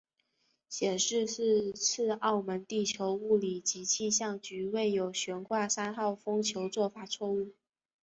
显示是次澳门地球物理暨气象局未有悬挂三号风球做法错误。